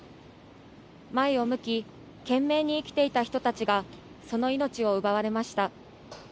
前を向き、懸命に生きていた人たちが、その命を奪われました。